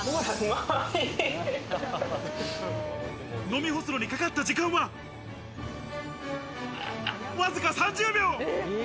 飲み干すのにかかった時間は、わずか３０秒！